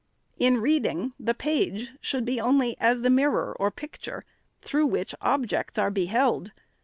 In reading, the page should be only as the mirror, or picture, through which objects are beheld.